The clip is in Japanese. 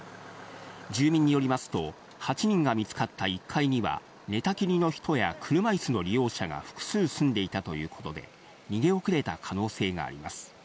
住民によりますと８人が見つかった１階には、寝たきりの人や車いすの利用者が複数住んでいたということで、逃げ遅れた可能性があります。